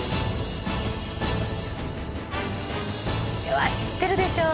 これは知ってるでしょ。